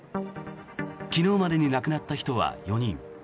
昨日までに亡くなった人は４人。